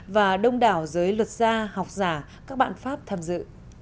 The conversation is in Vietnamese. và đông đảo giới luật gia học giả các bạn pháp tham dự